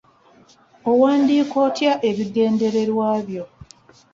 Owandiika otya ebigendererwa byo?